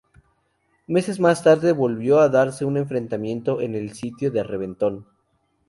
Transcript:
Meses más tarde volvió a darse un enfrentamiento en el sitio de Reventón.